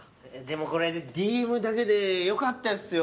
でもこれＤＭだけでよかったですよ。